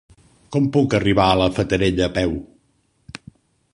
Com puc arribar a la Fatarella a peu?